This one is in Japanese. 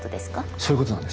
そういうことなんです。